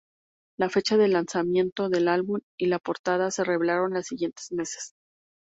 La fecha de lanzamiento del álbum y la portada se revelaron los siguientes meses.